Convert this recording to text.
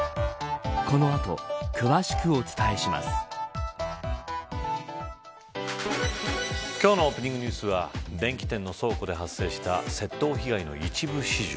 この後今日のオープニングニュースは電機店の倉庫に発生した窃盗被害の一部始終。